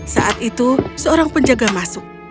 saat itu seorang penjaga masuk